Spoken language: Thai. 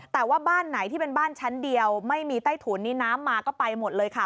แต่ว่าบ้านไหนที่เป็นบ้านชั้นเดียวไม่มีใต้ถุนนี่น้ำมาก็ไปหมดเลยค่ะ